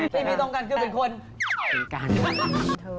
ทีมันตรงกันคือเป็นคน